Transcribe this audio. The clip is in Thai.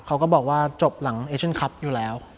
เขาก็บอกว่าจบหลังเอเชียนคลับอยู่แล้ว